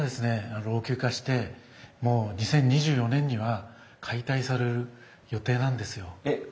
老朽化してもう２０２４年には解体される予定なんですよ。えっ？